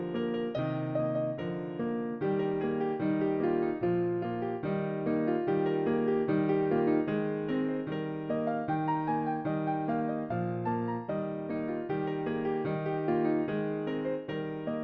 máu trở lại